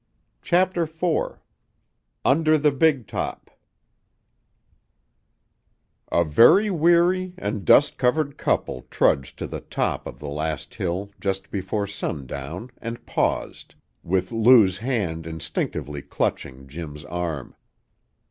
CHAPTER IV Under the Big Top A very weary and dust covered couple trudged to the top of the last hill just before sundown and paused, with Lou's hand instinctively clutching Jim's arm.